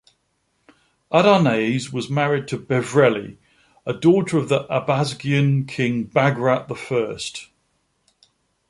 Adarnase was married to "Bevreli", a daughter of the Abasgian king Bagrat the First.